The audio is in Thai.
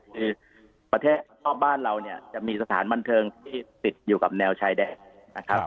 คือประเทศรอบบ้านเราเนี่ยจะมีสถานบันเทิงที่ติดอยู่กับแนวชายแดนนะครับ